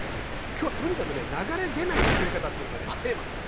今日はとにかくね流れ出ないつくり方っていうのがねテーマです！